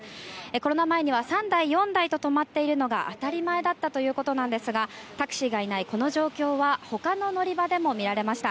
コロナ前には３台、４台と止まっているのが当たり前だったということなんですがタクシーがいないこの状況は他の乗り場でも見られました。